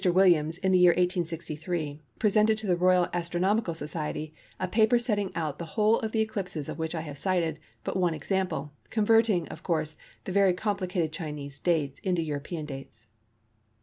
Williams in the year 1863 presented to the Royal Astronomical Society a paper setting out the whole of the eclipses of which I have cited but one example, converting, of course, the very complicated Chinese dates into European dates.